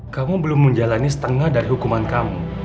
kamu belum menjalani setengah dari hukuman kamu